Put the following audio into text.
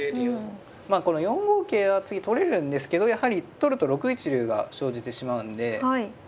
まあこの４五桂は次取れるんですけどやはり取ると６一竜が生じてしまうんで。